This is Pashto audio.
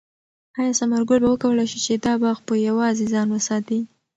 آیا ثمر ګل به وکولای شي چې دا باغ په یوازې ځان وساتي؟